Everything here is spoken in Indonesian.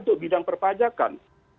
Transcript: untuk bidang perpajakan